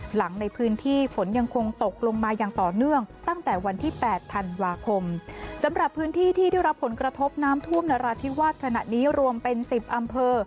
หลังในพื้นที่ฝนยังคงตกลงมาอย่างต่อเนื่องตั้งแต่วันที่๘ธันวาคมสำหรับพื้นที่ที่ได้รับผลกระทบน้ำท่วมนราธิวาสขณะนี้รวมเป็นสิบอำเภอ